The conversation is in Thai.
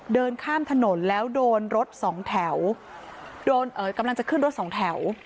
เดินข้ามถนนแล้วโดนรถสองแถวโดนเอ่อกำลังจะขึ้นรถสองแถว